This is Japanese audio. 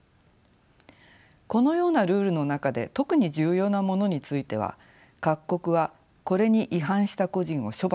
このようなルールの中で特に重要なものについては各国はこれに違反した個人を処罰する義務があります。